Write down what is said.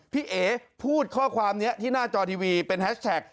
พี่เอ๋พูดข้อความนี้ที่หน้าจอทีวีเป็นแฮชแท็ก